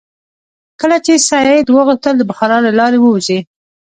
کله چې سید وغوښتل د بخارا له لارې ووځي.